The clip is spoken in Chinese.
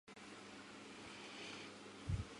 改编词是歌词创作的一种。